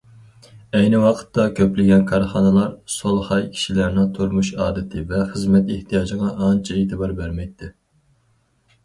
ئەينى ۋاقىتتا، كۆپلىگەن كارخانىلار سولخاي كىشىلەرنىڭ تۇرمۇش ئادىتى ۋە خىزمەت ئېھتىياجىغا ئانچە ئېتىبار بەرمەيتتى.